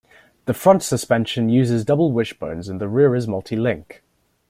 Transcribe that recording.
The front suspension uses double wishbones and the rear is multi-link.